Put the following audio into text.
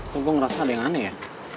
aku gue ngerasa ada yang aneh ya